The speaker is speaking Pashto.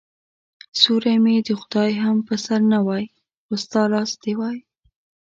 سیوری مې د خدای هم په سر نه وای خو ستا لاس دي وای